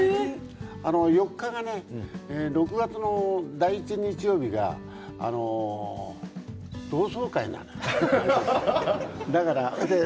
４日がね、６月の第１日曜日が同窓会なのよだから。